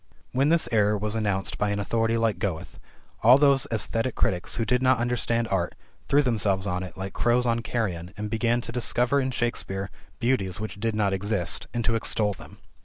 When this error was announced by an authority like Goethe, all those esthetic critics who did not understand art threw themselves on it like crows on carrion and began to discover in Shakespeare beauties which did not exist, and to extol them.